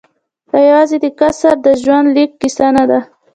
دا یوازې د قیصر د ژوندلیک کیسه نه ده.